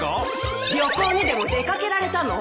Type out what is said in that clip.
旅行にでも出掛けられたの？